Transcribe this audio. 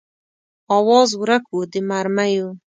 آواز ورک و د مرمیو